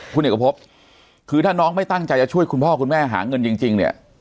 คุณเอกพบคือถ้าน้องไม่ตั้งใจจะช่วยคุณพ่อคุณแม่หาเงินจริงเนี่ย